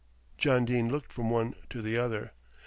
John Dene looked from one to the other.